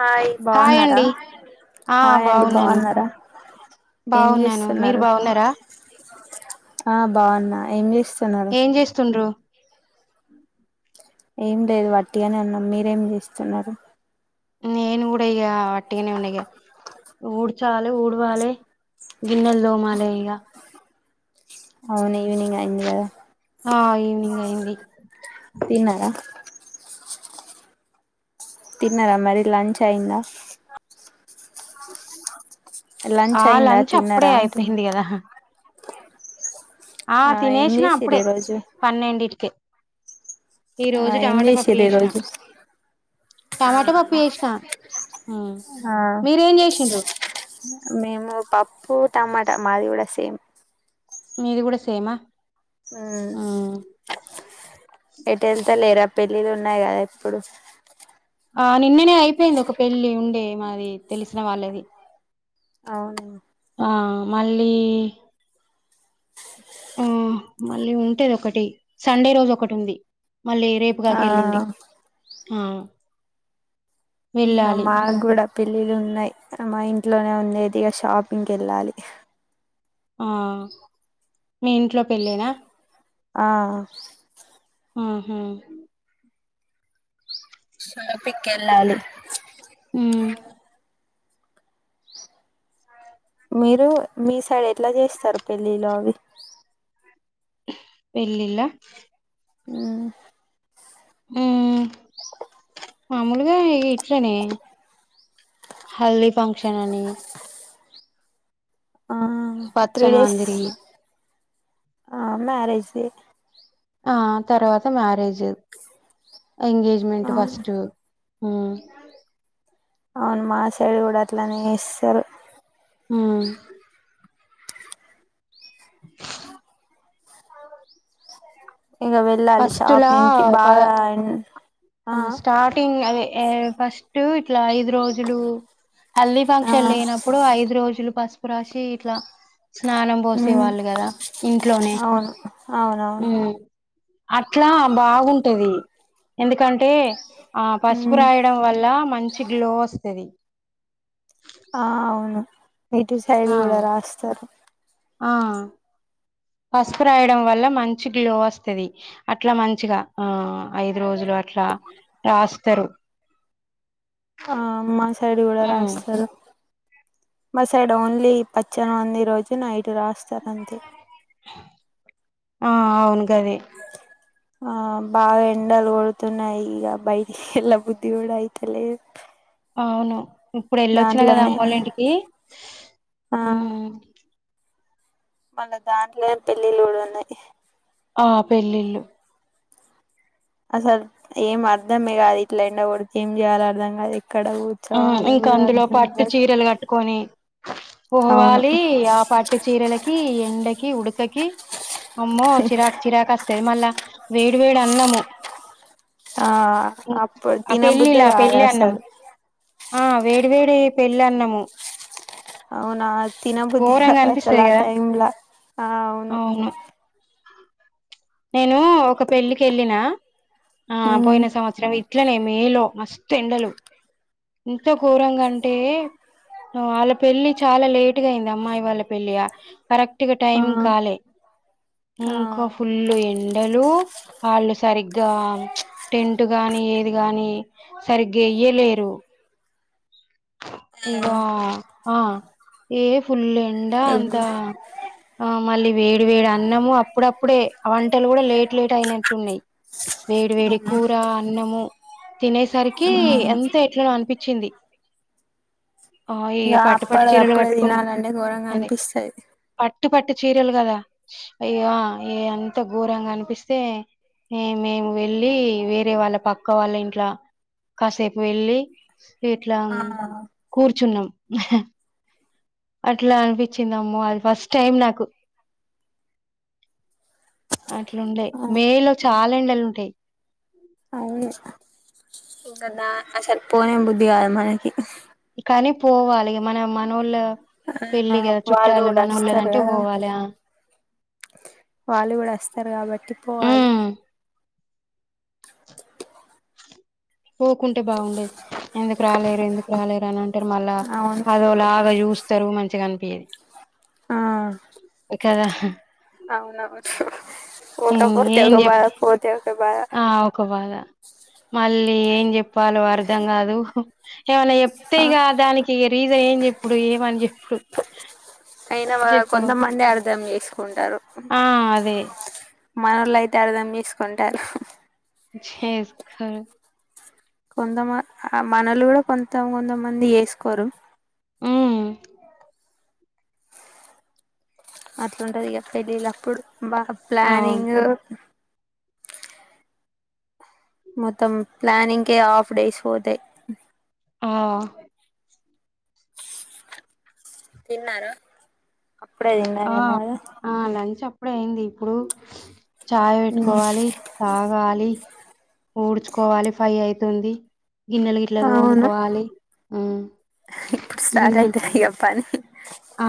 Hi hi బాగున్నారా. అండి ఆ హాయ్ అండి బాగున్నాను బాగున్నారా ఏం బాగున్నాను మీరు చేస్తున్నారు. బాగున్నారా ఆ బాగున్నా ఏం చే ఏం చేస్తుండ్రు ఏం లేదు వట్టి గానే ఉన్నాం మీరేమి చేస్తున్నారు. నేను కూడా ఇగా టిగానే ఉన్న ఇగా ఊడ్చాలి, ఊడవాలి, గిన్నెలు తోమాలి ఇగా అవునే ఈవినింగ్ అయింది కదా. ఆ ఈవినింగ్ అయింది తిన్నారా తిన్నార మరి లంచ్ అయిందా. అవునండి ఆహ్ అయిందా లంచ్ అప్పుడే తిన్నారా అంటున్నా అయిపోయింది. కదా ఆ ఏం తినేసిన చేసిర్రు అప్పుడే ఈ రోజు పన్నెండిటికే ఈ ఆ రోజు ఏం టమాటా పప్పు చేసిర్రు ఈ చేసినా. రోజు టమాటా పప్పు చేసిన. ఆ మీరేం చేసండ్రు. మేము పప్పు, టమాటా. మాది కూడా సేమ్. మీది కూడా సేమ్ ఆహ్ ఉహ్మ్ ఎటు ఎళ్తా లేరా పెళ్ళిళ్ళ ఉన్నాయి. కదా ఇప్పుడు ఆ నిన్ననే అయిపోయింది. ఒక పెళ్ళి ఉండే మాది తెలిసిన వాళ్ళది. అవునా ఆహ్ మళ్ళీ ఉహ్మ్ మళ్ళీ ఉంటాది. ఒకటి సండే రోజు ఒకటి ఉంది. మళ్ళీ రేపు గాక ఎల్లుండి. ఆ ఆహ్ అవున మా గూడ పెళ్ళిళ్ళు ఉన్నాయి. ఆహ్ ఆ మా ఇంట్లోనే ఉండేదిగా షాపింకెళ్ళాలి. ఆహ్ మీ ఇంట్లో పెళ్ళేనా ఆహ్ ఉహ్ హు షాపికెలాలి. ఉహ్మ్ మీరు మీ సైడ్ ఎట్లా చేస్తారు. పెళ్ళిలో అవి పెళ్ళిళ్ళ అ హ మాములుగా ఇట్లనే హల్ది ఫంక్షనని ఆ త్రీ పచ్చని డేస్ పందిరి ఆ మ్యరేజ్ ఆ తర్వాత మ్యారేజ్ ఆ ఎంగేజ్మెంట్ ఫస్ట్ హ అవును మా సైడ్ కూడా అట్లనేస్తరు ఆ [unintelligible] ఇక వెళ్ళాలి ఫస్ట్‌లా షాపింగ్ కి ప బాగా ఆ స్టార్టింగ్ ఫస్ట్ ఇ ఐదు రోజులు హల్దీ ఆ ఫంక్షన్ లేనప్పుడు ఐదు రోజులు ప రాశి ఇట్ల స్నానం పోసే ఉమ్ వాళ్ళు కదా ఇంట్లోనే అవును అవునవును అట్లా బాగుంటది ఎందుకం టే ఆ పసుపు ఉమ్ రాయడం వల్ల మంచి గ్లో వస్తుంది ఆ అవును ఇటు సైడ్ ఆ కూడా రాస్తారు ఆ పసుపు రాయడం వల్ల మంచి గ్లో వస్తది అట్లా మంచిగా ఆ ఐదు రోజులు అట్లా రాస్తారు ఆ మా సైడ్ కూడా ఉమ్ రాస్తారు మ సైడ్ ఓన్లీ పచ్చను మంది రోజు నైటు రాస్తారంతే ఆ అవును గదే ఆ బాగ ఎండలు కొడుతున్నాయి ఇగ బయటకి ఎల్లబుద్ధి కూడా అయితలేదు అవును ఇప్పుడు వెళ్ళొచ్చినా కదా దాంట్లోనే అమ్మోల ఇంటికి ఆ మళ్ళా దాంట్లో పెళ్ళిలు కూడా ఉన్నాయి ఆ పెళ్ళిలు అసలు ఏం అర్ధమే కాదు ఇట్లా ఎండ కొడితే ఏం చేయాలో అర్థం కాదు ఎక్కడ ఆ కూర్చోవాలో ఇంకా కూడా అందులో అర్ధం పట్టు కాదు చీరలు కట్టుకొని అవును పోవాలి ఆ పట్టు చీరలకి ఎండకి ఉడకకి అమ్మో చిరాకు చిరాకు అస్తది మళ్ళా వేడి వేడి అన్నము ఆ ఉమ్, అప్పుడు ఆ తినబుద్దే పెళ్ళిలా కాదు పెళ్ళి అన్నం అసలు ఆ వేడి వేడి పెళ్ళి అన్నాము అవునా తిన బుద్ధికాదు అసలు అనిపిస్తది ఆ కదా టైమ్ల ఆ అవును నేను ఒక పెళ్ళికి వెళ్ళిన ఆ అవును పోయిన సంవత్సరం ఇట్లనే మేలో మస్తు ఎండలు ఇంత ఘోరంగాంటే న వాళ్ళ పెళ్లి చాలా లేట్ అమ్మాయి వాళ్ళ పెళ్ళ కరెక్ట్ గా ఆ టైంకి కాలే ఆ ఇళ్ళు ఎండలు వాళ్ళు సరిగ్గా టెంట్ గాని ఏది గాని సరిగ్గా ఏయే లేరు ఇగా ఆ ఏ ఫుల్ ఎండా అంత ఇగ ఆ మళ్ళీ వేడి వేడి అన్నము అప్పుడప్పుడే వంటలు కూడా లేటు లేట్ అయినట్టు ఉన్నాయి వేడి వేడి కూర అన్నము తినేసరికి ఎంత ఎట్లాన అనిపించింది ఆ ఇక ఇగ పట్టు పట్టు అప్పుడది చీరలు అప్పుడే కట్టుకుని తినాలంటే ఘోరంగా అనిపిస్తది పుట్టు పట్టు చీరలు కదా అయ్యో ఇ అంత ఘోరంగా అనిపిస్తే మేము వెళ్ళి వేరే వాళ్ళ పక్క వాళ్ళ ఇంట్లో కాసేపు వెళ్ళి ఇట్లా ఆ కూర్చున్నాం అట్లా అనిపించింది అమ్మో అది ఫస్ట్ టైం నాకు అట్లాండేయి మే లో చాలా ఎండలు ఉంటాయి ఇక అస పోనే బుద్ధికాదు మనకి కానీ పోవాలి మన మన ఒళ్ళు ఆ వాళ్ళు కూడా అస్తారు కదా పోవాలి ఆ వాళ్ళు కూడా అస్తారు కాబట్టి పోవాలి ఉమ్ పోకుంటే బాగున్నాడాది ఎందుకు రాలేరు ఎందుకు రాలేరు అనింటె అంటారు మళ్ళా అవును అదోలాగా చూస్తారు మంచిగా అనిపియది ఆ కదా అవునవును పోత పత ఏం క బ చెప్ పో ఆ ఒక బాగా మళ్ళీ ఏం చెప్పాలో అర్ధం కాదు ఏమనా ఎప్పైక దానికి రీజ ఇ ఏం చెప్పుడు ఏమని చెప్పుడు అయినా చెప్పు కొంతమంది అర్థం చేసుకుంటారు ఆ అదే మనళ అయితే అర్థం చేసుకుంటారు చేసుకోరు కొంతమ మనలు కూడా కొంత కొంతమంది చేసుకోరు అ అట్లాంటుంది ఇక పెళ్ళిళ్ళప్పుడు బా అవును ప్లనింగ్ మొత్తం ప్లనింగ్ హాఫ్ డేస్ పోతాయి అ ఆ తిన్నారా అపుడే తిన ఇప్పుడ అయింది ఇప్పుడు చాయ్ పెట్టుకోవాలి తాగాలి ఊడ్చుకోవాలి ఫై అయితుంది గిన్నెలు గిట్లా అవును తోముకోవాలి ఆ ఇప్పుడు స్టార్ట్ గిన్నె అయితది ఇక పని ఆ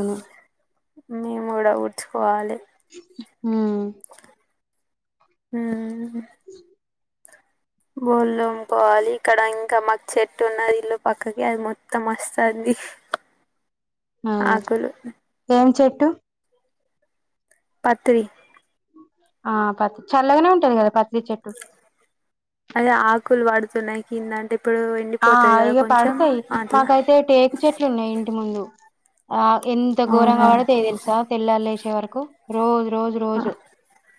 అవును మేము కూడా ఊడ్చుకోవాలి హ హ అ బోళం తోముకోవాలి ఇక్కడ ఇంకా మాకు చెట్టు ఉన్నది ఇల్లు పక్కకి అది మొత్తం వస్తుంది ఆ ఆకులు ఏం చె పెెట్ పత్రి ఆ పత్ చల్లగానే ఉంటుంది కదా పత్ అదే ఆకులు వాడుతు స్తున్నాైకిందంటే ఆ ఇక పడతాయి అట్లా మాకైతే టేక చెట్లు ఉన్నాయి ఇంటి ముందు ఆ ఎంత ఘోరంగా అవునా వాడో తె తెలుసా తెల్లళ వసే వరకు రోజ రోజు రోజు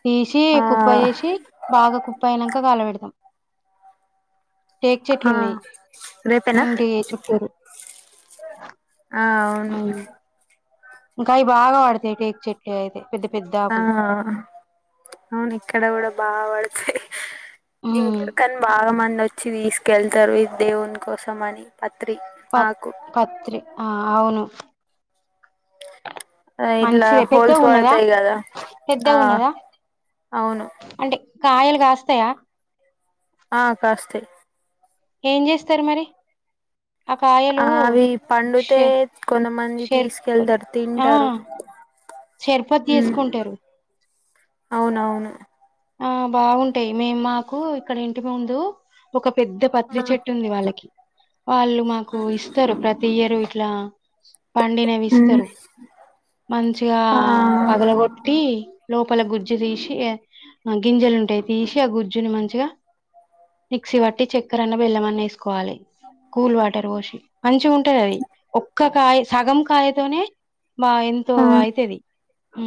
తీసి ఆ కుప్ప చేసి బాగా కుప్ప అయినాక కలపెదట టేక్ చెట్లు ఆ ఉన్నాయి రేపేనా ఇంటి చుట్టూరు ఆ ఆ అవును ఇంకా అవి బాగా పడతాయి టేక్ చెట్లు అయితే పెద్ద పెద్ద ఆ ఆకులు అవును ఇక్కడ కూడా బాగా పడతాయి ఇంక ఇకని బాగా మన్ వచ్చి తీసుకెళ్తారు ఇ దేవుని కోసం అని పత్రి ప ఆకు పత్రి ఆ అవును ఆ ఇట్లా మంచిదే పెద్దగా హోల్స్ ఉన్నదా పడతాయి కదా పెద్దగా ఆ ఉన్నదా అవును అంటే కాయలు కాస్తాయా ఆ కాస్తాయి ఏం చేస్తారు మరి ఆ ఆ కాయలు అవి పండుతే షే కొంతమంది షేర్ తీసుకెళ్తారు ఆ తింటారు షర్బత్ ఉ చేసుకుంటారు అవునవును ఆ బాగుంటాయి మేము మాకు ఇక్కడ ఇంటి ముందు ఒక పెద్ద ఆ పత్రి చెట్టు ఉంది వాళ్ళకి వాళ్ళు మాకు ఇస్తారు ప్రతి ఇయరు అట్లా పండినేవిస్తారు మంచిగా ఆ పగలగొట్టి లోపల గుజ్జు తీసి ఆ గింజలు ఉంటాయి తీసి ఆ గుజ్జుని మంచిగా మిక్సీ పట్టి చక్కరన్న బెల్లమన్న వేసుకోవాలి కూల్ వాటర్ పోసి మంచిగా ఉంటది అది ఒక్క కాయ సగం కాయతోనే బ ఎంతో ఆ అయితది ఉ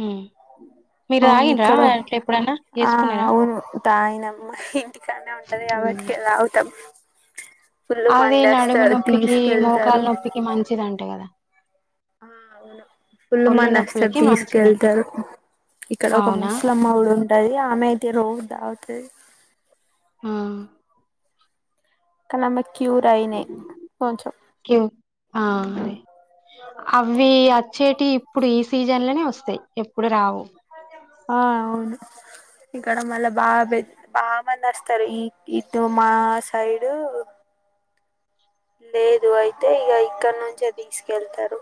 మీరు అవును తాగిండ్రా ఇక్కడ అట్ ఎప్పుడన్నా ఆ చేసుకున్నారా అవును తాగినాము ఇంటికానే ఉంటది ఉమ్ కాబట్టి తాగుతాం ఫుల్ అది మంది నడుము వస్తారు నొప్పికి తీసుకెళ్తారు మోకాలు నొప్పికి మంచిది అంట కదా ఉ అవును ఫుల్ ఒళ్ళు మందేస్తారు నొప్పులకి మంచిదంట తీసుకెళ్తారు ఇక్కడ ఒక అవునా ముస్లమ్మ కూడా ఉంటది ఆమె అయితే రోజు తాగుతది ఆ కని ఆమెకి క్యూర్ అయినయి కొంచం క్యూ ఆ అదే అవి అచ్చేటి ఇప్పుడు ఈ సీజన్ లోనే వస్తాయి ఎప్పుడు రావు ఆ అవును ఇక్కడ మళ్ళా బాగాబేద్ బా మందిస్తారు. ఈ ఇటు మా సైడు లేదు అయితే ఇగ ఇక్కడ నుంచే తీసుకెళ్తారు.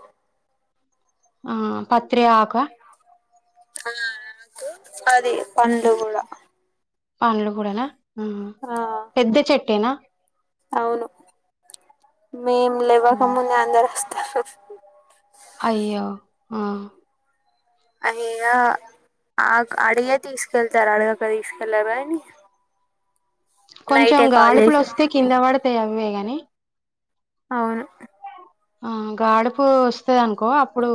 ఆ పత్రే ఆక ఆ అదే పది పండ్లు కూడా పండ్లు కూడానా ఆ పెద్ద చెట్ టేనా అవును ప్చ్ హ్ మేం ఉమ్. లేవ్వకముందే అందరు స్నా [inaudible] అయ్యో ఆ అయ్యా ఆక్ అడిగే తీసుకెళ్తారు. అడగక తీసుకెళ్లారు. అనీ కొంచెం గాడుపులు వస్తే కింద, పడతాయి అవే నీ అవును ఆ గాడుపు వస్తది. అనుకో అప్పుడు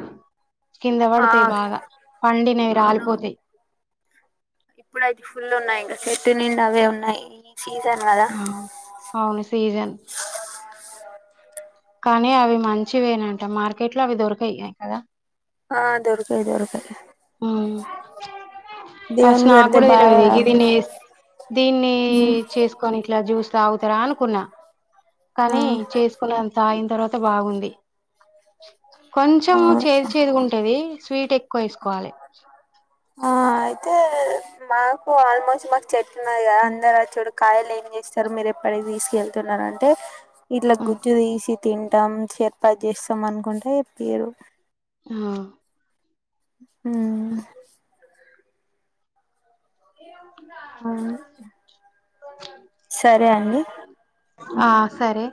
ప్చ్ కింద ఆ పడతాయి బాగా పండినవి రాలిపోతేయి. ఇప్పుడయితే ఫుల్ ఉన్నాయి. ఇంకా చెట్టు నిండి అవే ఉన్నాయి. సీజన్ కదా మ్మ్ హ్ అవును సీజన్ [inaudible] కానీ అవి మంచివేనాంట, మార్కెట్ లో అవి దొరకయి. ఎం కదా ఆ దొరకయ్, దొరకయ్ హ్మ్ ఫస్ట్ దేవునికి నాకు పెడితే కూడా తెలేవి, బాగా ఇవి గీ దీన్నిస్ దీన్నీ ఉమ్, చేసుకొని ఇట్లా జ్యూస్ తాగుతారా అనుకున్నా ఆ కానీ చేసుకునే అంత తాగిన్ తర్వాత్ త బాగుంది. కొంచం అవును చేద్ చేదుగ ఉంటది. స్వీట్ ఎక్కువ వేసుకోవాలే ఆ అయితే మాకు ఆల్మోస్ట్ మాకు చెట్టు ఉన్నద, అందరు చూడు కాయలు ఏం చేస్తారు. మీరు ఎప్పటికి తీసుకెళ్తున్నారురని అంటే ఇట్లా గుచ్చుతీసి తింటాం చేర్పాత్ చేస్తాం. అనుకుంటే పేరుగు హ్మఆ హ్మ్ అవును హ్ [unintelligible] సరే అండి. ఆ సరే